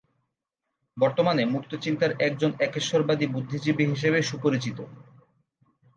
বর্তমানে মুক্তচিন্তার একজন একেশ্বরবাদী বুদ্ধিজীবী হিসেবে সুপরিচিত।